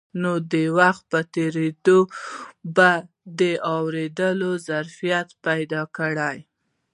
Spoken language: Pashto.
نو د وخت په تېرېدو به د اورېدو ظرفيت پيدا کړي.